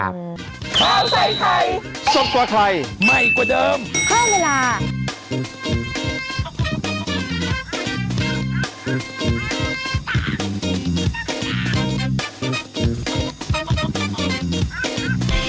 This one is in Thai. โปรดติดตามตอนต่อไป